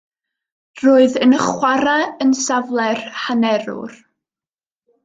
Roedd yn chwarae yn safle'r hanerwr.